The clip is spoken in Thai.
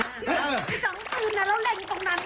ฟื้นจังฟื้นน่ะแล้วแรงตรงนั้น